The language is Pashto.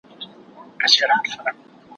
نر پسه د حلالېدو له پاره دئ.